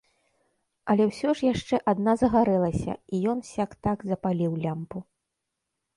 Але ўсё ж яшчэ адна загарэлася, і ён сяк-так запаліў лямпу.